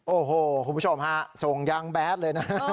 โอ้โหคุณผู้ชมฮะส่งยางแบดเลยนะ